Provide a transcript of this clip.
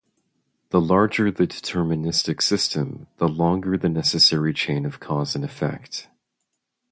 The larger the deterministic system, the longer the necessary chain of cause and effect.